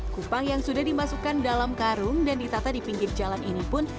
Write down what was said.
kupang yang sudah dimasukkan dalam karung dan ditata di pinggir jalan ini pun